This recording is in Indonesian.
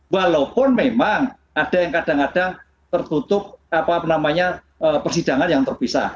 walaupun memang ada yang kadang kadang tertutup persidangan yang terpisah